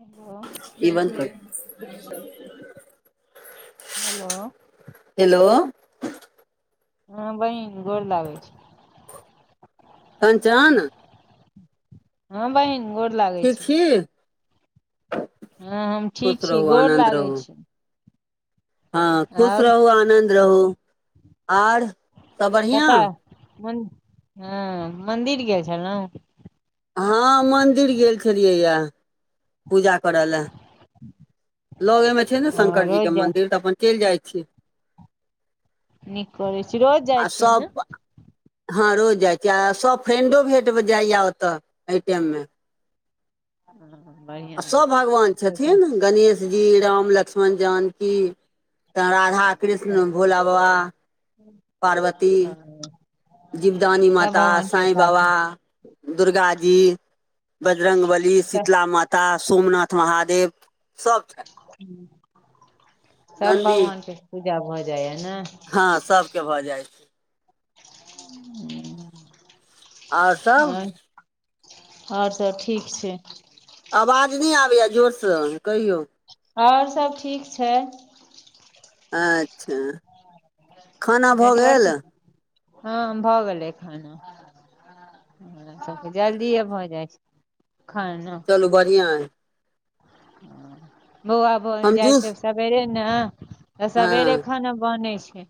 Hello ई वन पर। Hello hello. हँ, बहिन गोर लागै छी। कंचन? हँ बहिन गोर ठीक छी? हँ हम ठीक खुश छी, रहू गोर आनन्द लागै रहू छी। हँ खुश आओर रहू, आनन्द रहू आर सब कत बढ़िआँ मन हँ मन्दिर गेल छलौं? हँ, मन्दिर गेल छलियैये। पूजा कर ले, लगे में छै न हँ, शंकरजी रोज के जा मन्दिर तऽ अपन चैल जाइ छी। नीक करै छी रोज आ जाइ छियै ने? सभ हँ रोज जाइत छी आ सभ फ्रेंडो भेट-भ जाइए ओतऽ ऐ टाइम में। हँ आ बढ़िआँ ऐ, सभ भगवान पैसा छथिन गणेश जी, राम- लक्ष्मण-जानकी तऽ राधा- कृष्ण, भोला बबा। पार्वती हुँ। जिवदानी माता, साईं बावा, दुर्गााजी बजरङ्गबली, सब शीतला माता, सोमनाथ महादेव सब छै सब नन्दी भगवान के पूजा भऽ जैये ने? हँ, सभके भऽ जाय हुँ, आओर सब और? और सब ठीक छै। आवाज नै आबैए जोर स कहियौ। और सब ठीक छै। आच्छ। नेटवर्क, हँ भऽ गेलै खाना। हमरा सबके जल्दिए भऽ जाइ छै- खाना। चलू बढ़िआँ हइ। बौआ भोन हम जाइ जूस छैय सवेरे नहि। त सबवेरे हँ खाना बनै छैय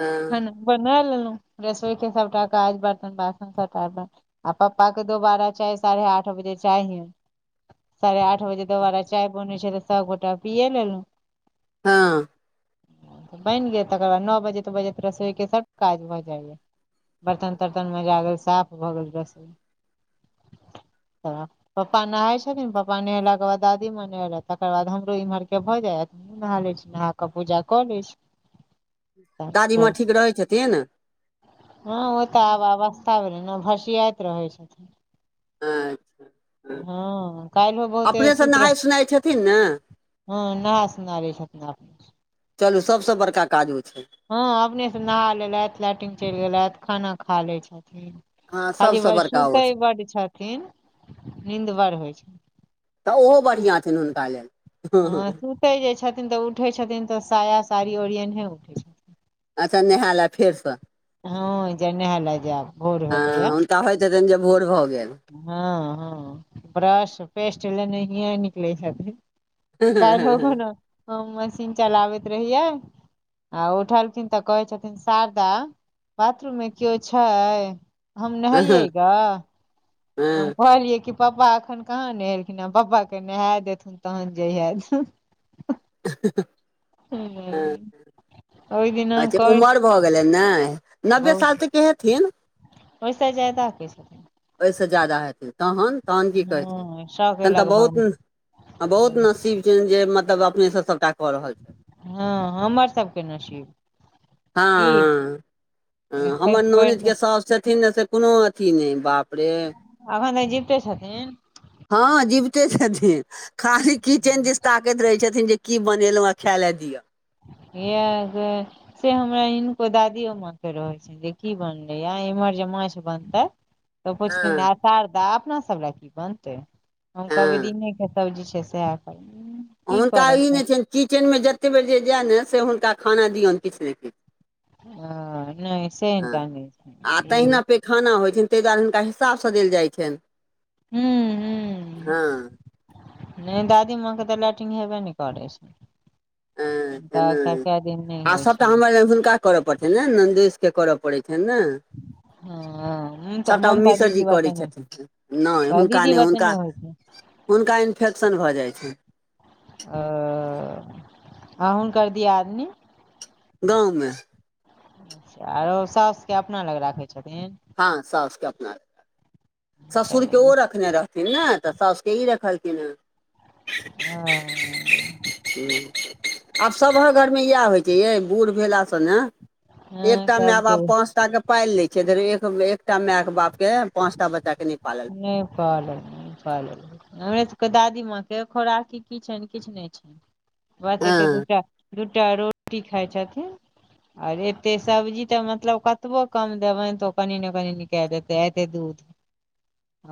हँ खाना बना लेलहुँ रसोई के सभटा काज बर्तन बासन सँभटा आ पप्पा के दोबारा चाय साढ़े आठ बजे चाहि, साढ़े आठ बजे। दुबारा चाय बनै छैय तऽ सँबगोटा पिय लेलहुँ। हाँ। बनि गेल तकर बाद नओ बजे तऽ बजे त रसोइके सँभकाज भऽ जाइया। बर्तन-तर्तन मज गेल साफ भऽ गेल रसोई। त पप्पा नहाय छथिन नहि पप्पा नहि ला के बाद दादी मनल तकर बाद हमरो इम्हर के भऽ जायत। नहा ले छीय नहा कऽ पूजा कऽ ले छीय। दादी माँ ठीक रहै छथिन? हाँ ओ तऽ आब अवस्था भऽ रहै नहि भसियाइत रहै छथिन। हाँ काल्हिहो बहुते अपनेसँ सुति नहाय रह। सोनाय छथिन ने हाँ नहा सुनावे छथित ने अपने चलू सबसँ बड़का काज उ छैय हाँ अपनेसँ नहा लेलथि लैट्रिन चलि गेलथि खाना खा लै छथिन। हँ खाली सबसँ वे बड़का ओ सुते छै बडडछथिन नीन्द बड़ होइ छैन। तऽ ओहो बढ़िऑँ छेन हुनका लेल। हाँ सुते जे छथिन तऽ उठे छथिन तऽ साया साड़ी ओरी एने उठै छथिन। अच्छा नहाय लए फेरसँ। हाँ जे नहा ल जायब भोर भे लैया। त होैत हेन जे भोर भऽ गेल। हँ-हँ ब्रश पेस्ट लेने हिए निकलै छथिन। कालहो होगो न हम मशीन चलाबैत रहियै आ उठलखिन तऽ कहे छथिन शारदा बाथरूम मे कियो छै? हम नहाइयएगा। हम कहलियै कि पप्पा एखन कहाँ नहेलखिन पापाके नहा देथुन तखन जहिये देथुन। हँ-हँ-ह ओहि दिना अच्छा कहै उमर भऽ गेलै नहि नब्बे साल तऽ के हेथिन। ओइसा जाइ ताैै [unintelligible] ओहिसँ ज्यादा हेतै। तहन-तहन की कहे छै हँ सए के तन तऽ लगभग बहुत, मे। बहुत नसीब जे मतलब अपने से सबटा कऽ रहल छै। हँ हमर सबके नसीब। की हँ-हँ-हँ हमर खसि पड़तै नॉनेंद साउस छथिन ने से कुनू अथी नहि बाप रे। अखन तऽ जीबते छथिन? हँ जीबते छथिन खाली किचेन दिस ताकैत रहै छथिन जे की बनेलहुॅं आ खाय ले दिअ। यह से सेह हमरा हिनको दादियो माँ के रहे छै। जे की बनलै हा इम्हर जे माछ बनतै। तऽ पुछथिन आ हँ शारदा अपना सब ल की बनतै? हम कहबै हँ दीनेके सब्जी छै सएह करब [unintelligible] आ हुनका ई नै तऽ छैन किचेनमे जतेक बेर जे जाय नै से हुनका खाना दियोन किछ ने किछ। हां नय से हिनका नै छै, ई पेखाना होइ छैन तई दुआरे हुनका हिसाब से देल जाइ छैन, हां। नय दादी माँ के तऽ लैट्रिग हेबे नय करै छै। हँ तऽ कए-कए दिन नै होइ छै। अरे हुनका। करऽ पड़ते नै नंदोईस के करऽ पड़ै छै नै। हां। सबटा ओ मिशर जी करै छथिन, नै हुनका दीदी नय बतेने हुनका होइ छै हुनका इन्फेक्शन भऽ जाइ छै। आ अ हुनकर दिआदनी गाँव में। आरो सोसके अपना लग राखै छथिन। हां सोसके अपना ससुरके चलि ओ रखने रहथिन नै तऽ सौसके ई रखलखिन हेँ। हँ हुं। आब सभक घरमे इएह होइ छै यै, बूड़ भेला से नै एकटा सबके माय-बाप नहि पाँचटा के पाइल ले छै अगर एक एकटा माय के बाप के पांचटा बच्चा के नै पाला नै पालल, नै पालल होय हमरे सबके दादी माँ के खोराकी की छैन किछ नै छै, बस एते हँ दूटा दूटा रोटी खाय छथिन। आर एते सब्जी तऽ मतलब कतबो कम देबैन तऽ ओ कनि ने कनि निकाल देतै, एते दूध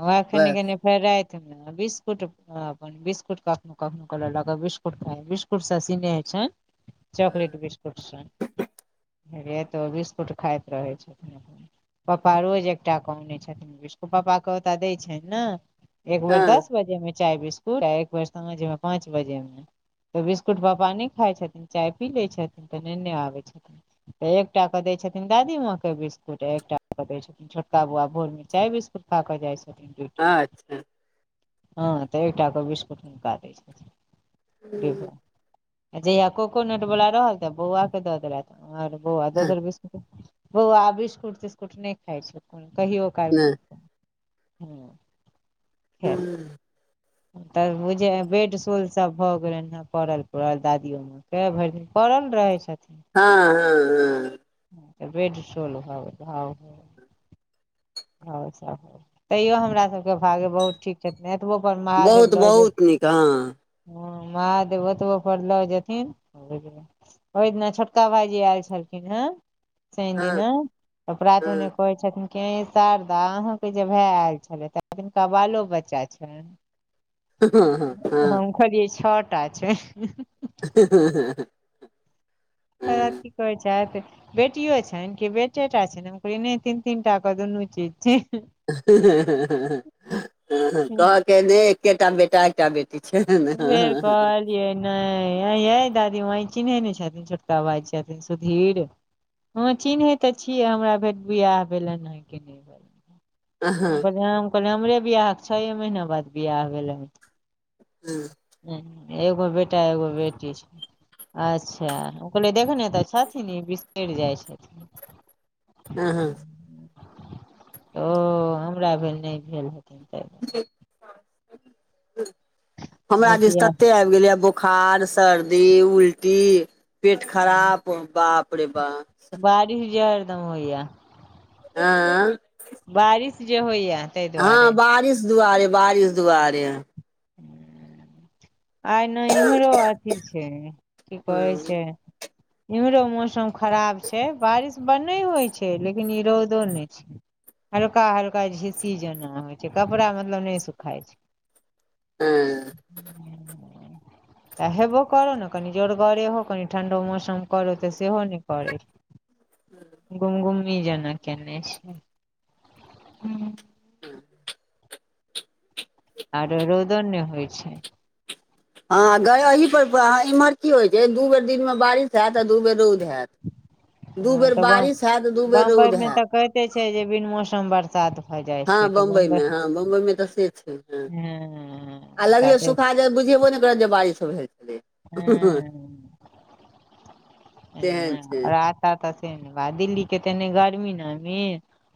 वैह बस कनि-कनि फेर रातमे बिस्कुट अपन बिस्कुट कखनो-कखनो क लेलक बिस्कुट खाय बिस्कुट से स्नेह छैन। चॉकलेट बिस्कुट से राइतो बिस्कुट खाइत रहै छथिन अपन। पप्पा रोज एकटा के आने छथिन बिस्कुट पप्पा के क ओता देय छैन ना एक बेर हँ दस बजे में चाय बिस पूर एक बेर साझमे पाँच बाजेमे। तऽ बिस्कुट पापा नै खाइ छथिन, चाय पी लै छथिन तऽ नेने आबै छथिन। तऽ एकटा केे दै छथिन दादी माँ के बिस्कुट, एकटा के दै छथिन छोटका बौआ भोरमे चाय बिस्कुट खाए कऽ जाइ छथिन ड्यूटी। अच्छा हां तऽ एकटा के बिस्कुट हुनका दै छथिन डिब्बा। जहिया ककोनट वला रहल तऽ बौआ के दऽ देलैथ और बौआ हँ दोसर बिस्क बौआ बिस्कुट-तिस्कुट नै खाइ छै कून कहियो नै। हां। हूं। तब उजे बेड सुल सब भऽ गेलैन हे पड़ल पुरल दादियोमे। तै भर दिन पड़ल रहै छथिन। हां-हां-हां। हां ते बेड सुल [unintelligible] घाव सब हो तईयो हमरा सबके भागे बहुत ठीक छैथ नै एतबो पर महादेव बहुत लऽ जेथ बहुत नीक हँ हां महादेव ओतबो पर लऽ जेथिन त बुझबे। ओय दिना छोटका भाईजी ऐल छलखिन हें सैन हँ दीना, आ परात भेनै हँ कहै कहै छथिन क शारदा अहांके जे भाय आयल छलैथ हैन, तिनका बालो बच्चा छैन? हँ- हँ -हँ खरी छ टा छैन। [inaudible] पलक हँ कि करै छैत बेटियो छैन कि बेटे टा छैन पहिले तीन - तीन टा के दुनू चीज छैन। कहल खैन जे एकेटा बेटा एकटा बेटी छैन। बर क [inaudible] ये नै एंय ये दादी मां इ चिन्है नहि छथिन छोटका भाय छथिन सुधीर हँ चिन्है तऽ छियै, हमरा भेल बिआह भेलनि ह कि नहि। छै हुनकर [inaudible] कह हमरे बीयाहक छ यै महिना बाद बीयाह भेलै। हूं। ह एगो बेटा एगो बेटी छै। अच्छा, ओ कह ल देखने तऽ छथिन ई बिसरि जाइ छथिन हँ - हँ ओ हमरा भेल नहि भेल हथिन तऽ हमरा दिस भसिया तते आ भऽ गेलियै बोखार सर्दी उल्टी पेट खराब बापरे बा [inaudible] [inaudible] एंय बारिश जे होइया ताहि दुआरे दुआारे बारिश दवारेय ह [unintelligible] आइ ने इम्हरो अथी छै, की कहै छै। इम्हरो मौसम खराब छै, बारिश ब नहि होइ छै लेकिन ई रौदो नहि छै हल्का- हल्का झिस्सी जेना होइ छै, कपड़ा मतलब नहि सुखााय छै। एंय हूँ। [inaudible] त हेबो करहो ने, कनि जोड़गरेहो कनि ठण्डो मौसम करहो तऽ सेहो नहि करै छै। गुम- गुमी जेना केने छै। [inaudible] आरो रौउदो नय होइ छै। हँ गयहि पर इम्हर की होइत छै, दू बेर दिन में बारिश हैत आ दू बेर रौद हैत। दू हँ बेर बारिश हैत दू बेर रौद हैत। कहे छै जे बिन मौसम बरसात। भऽ जाइ ह छै तऽ बम्बई में, ह बम्बई में तऽ से छय आ हँ लगले ताते सुख बुझेबो ने करत जे बारिश होय हय। [inaudible] तेहन छै एतऽ से ने बा दिल्ली के तहने गर्मी नामी।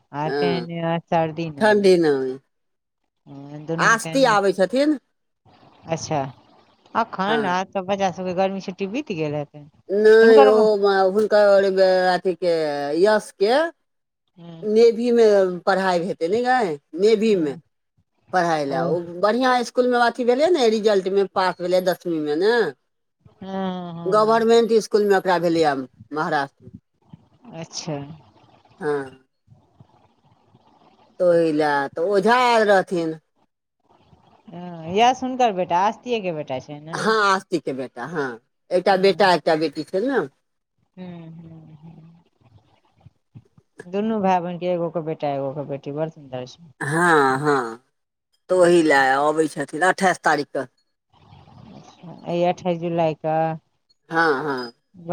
[inaudible] नै। ह दुनू तऽ छथिन अच्छा अखैन हँ तब बच्चा सब के गर्मी छट्टी बित गेलै। नै ओ हुनकर अथी के यश के हँ नेभी मे पढ़ाइ हेतै नै गेैय नेवी में। हँ पढ़ाइ लए ओ बढ़िआँ इसकुलमे अथी भेलै ने रिजल्टमे पास भेलै दसमी में ने। हँ हँ गवर्मेंट इसकुलमे ओकरा भेलै या महाराष्ट्र। अच्छा हँ। ओही लए तऽ ओझा एल रहथिन। हँ यश हुनकर बेटा आस्तिये के बेटा छै। ने हँ आस्तीक के बेटा हँ एकटा हूँ बेटा एकटा बेटी छै ने। हूँ हूँ। दुनू भेएय बहिन के एगो कऽ बेटा एगो कऽ बेटी बड़ सुन्दर छै। हँ हँ तऽ ओहि लए अबै छथिन अठाइस तारीक कऽ। अइ अठाइस जुलाई कऽ हँ हँ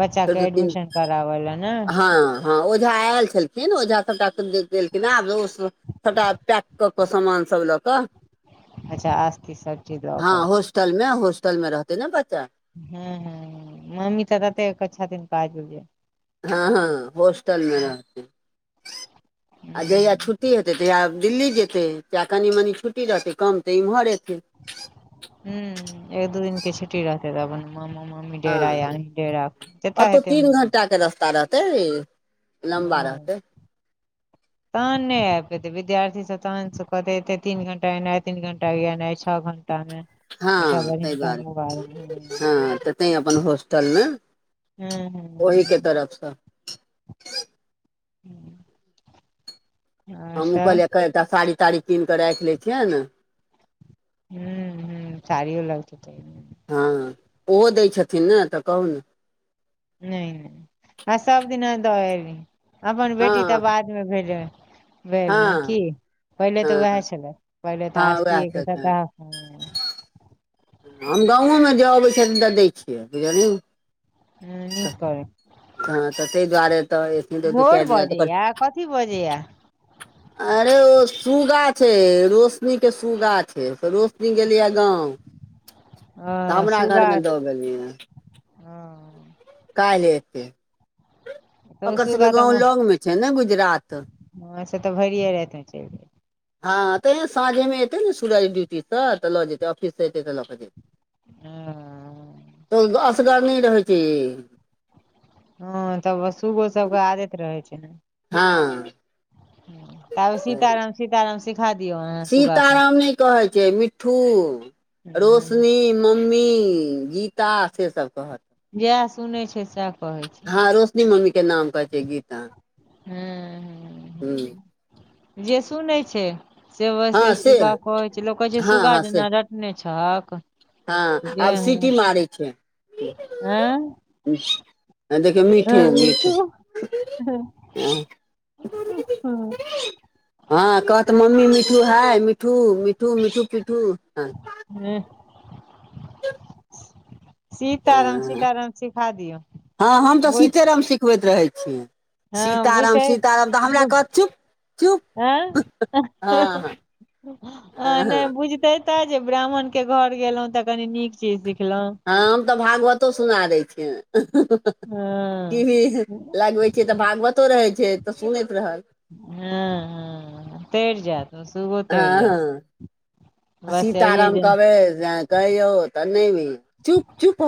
बच्चा फेर के दू तीन एडमिशन। कराबऽ ले नऽ। हँ हँ ओझा एल छेलखिन ओझा सबटा देलखिन हें आब [unintelligible] सबटा पैक कऽ समान सब लऽ कऽ। अच्छा आस्ति सब चीज दऽ कऽ। होस्टल मे होस्टल मे रहतै नऽ बच्चा‌। हँ हँ मम्मी तऽ तते छथिन [unintelligible] जे हँ हँ होस्टल में हूँ रहतै आ जहिया छुट्टी हेतै तहिया। दिल्ली जेतै चाह कनि -मनि छुट्टी रहतै कम तऽ एम्हर एतै। हूँ एक दू दिन के छुट्टी रहतै। अपन मामा मामी हँ डेरा या अहीं डेरा जतऽ ओतौ हेतै तीन मोन। घंटा के रस्ता रहतै। लम्बा हँ। रहतै तहन नै आइब पयतै विद्यार्थीसब तहनसँ कहते एतै तीन घंटा एनाइ तीन घंटा गनाइ छओ घं टा मे अच्छा हँ बढ़िया तैय दुआरे तहन बाद मे हँ तऽ तैं अपन होस्टल में। हूँ, हूँ, हूँ। हू हम ओ कहलियै एकटा साड़ी ताड़ी कीन कऽ रैइख लैए छियैन। हूँ, हूँ सारीयो लगतै। हँ ओहो दै छथिन ने तऽ कहू न। नैय- नैय आ सब दिना दऽ एयली अपन बेटी तऽ हँ बादमे भेज भेल की हँ पहिले हँ तऽ वएह छलै पहिले तऽ हँ उएह आस्तिये के छथिन सबटा हँ। हम गाँव में जे अबै छ तऽ दै छियै बुझलू। हूँ नीक करै। हँ तऽ ताहि दुआरे तऽ एथिन तऽ दू मोर चारि दिना बजेै तऽ ये कथि बजेै या। अरे ओ सुगा छै रोशनी के सुगा छै त रोशनी गेलइए गाँंव। हँ सुगा [unintelligible] ओ कैल्ह एतै तऽ ओ ओकर सबके सुगा गाँव तऽ लग मे छै ने गुजरात। हँ से तऽ भैरिए राइत में चैल जेतेै। हँ तऽ साँझेमे एतै ने सूरज ड्यूटीसँ तऽ लऽ जेतै ऑफिस सँ एतै तऽ लऽ कऽ जेतै। हांए। तऽ असगर नै रहै छै। हँ तब उहो सुगो सबके आदत रहै छै ने। हँ। ताबे सीताराम सीताराम सिखा दियौ अहाँ सुगा के। सीताराम नहि कहै छै मिठ्ठू। हँ रोशनी, मम्मी, गीता सेसभ कहत। जेह सुनै छै सेह कहैत छै। हँ रोशनी मम्मी के नाम कहै छै गीता। हुं हुं। हँअ। जे सुनै छै। से वैसे हँ से सुगा कहै छै लोक कहै छै हँ सुगा हँ से जेना रटने छहक। हँ जे आब सिटी आँ मारै छै मिठ्ठू। देखियौ मिठ्ठू मिठ्ठू मिठू हँ। [inaudible] हँ कहत मम्मी मि्ठू हाय मिठ्ठू मिठू मिठू पि्ठू ह। हेह। सीताराम सीताराम सिखा दियौ भो तम सिखबैत रहै छीये। हँ बुझते कहत चुप चुप आँ। हँ हँ आ हँ नहि हँ बुझते तऽ जे ब्राह्मण के घर गेलहुँं तऽ कनी नीक चीज सिखलहुँ। ह हम तऽ भागवतो सुना देय छियाइन टी हँ वी लगवै छीये तऽ भागवतो रहै छै तऽ सुनैत रहल। हँ ह तैर जैत। त सुगो तैर हँ जायत हँ आ बस यही सीताराम जे कहबै कहियौ तऽ नहि भी चुप चुप